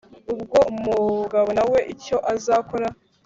ubwo umugabo nawe icyo azakora